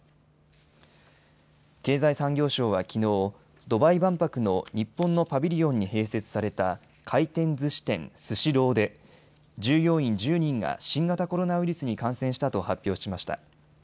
経済産業省はきのうドバイ万博の日本のパビリオンに併設された回転ずし店、スシローで従業員１０人が新型コロナウイルスに感染したと発表しました。